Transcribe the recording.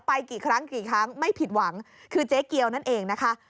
กี่ครั้งกี่ครั้งไม่ผิดหวังคือเจ๊เกียวนั่นเองนะคะ